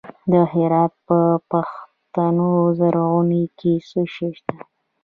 د هرات په پشتون زرغون کې څه شی شته؟